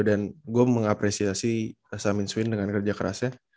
dan gue mengapresiasi samin swin dengan kerja kerasnya